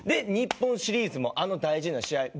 日本シリーズもあの大事な試合